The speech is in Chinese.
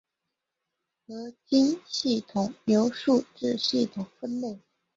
合金系统由数字系统分类。